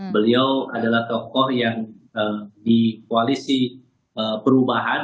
beliau adalah tokoh yang di koalisi perubahan